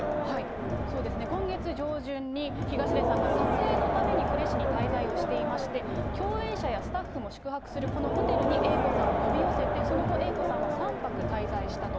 そうですね、今月上旬に東出さんが撮影のために呉市に滞在をしていまして、共演者やスタッフも宿泊するこのホテルに、Ａ子さんを呼び寄せて、その後、Ａ子さんは３泊滞在したと。